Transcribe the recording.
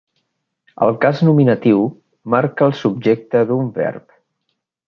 El cas nominatiu marca el subjecte d'un verb.